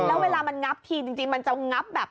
แล้วเวลามันงับทีจริงมันจะงับแบบ